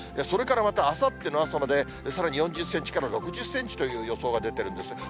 それからまたあさっての朝まで、さらに４０センチから６０センチという予想が出てるんです。